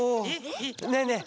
ねえねえ